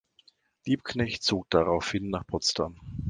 Liebknecht zog daraufhin nach Potsdam.